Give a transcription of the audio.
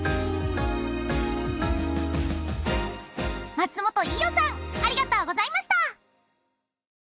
松本伊代さんありがとうございました。